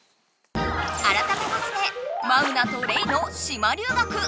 あらためましてマウナとレイの島留学。